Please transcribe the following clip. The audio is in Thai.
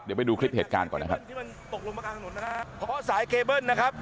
เดี๋ยวไปดูคลิปเหตุการณ์ก่อนนะครับ